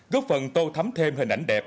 góp phần tô thấm thêm hình ảnh đẹp